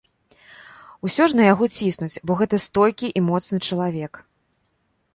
Усё ж на яго ціснуць, бо гэта стойкі і моцны чалавек?